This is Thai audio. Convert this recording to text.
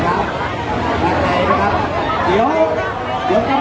ขอบคุณมากนะคะแล้วก็แถวนี้ยังมีชาติของ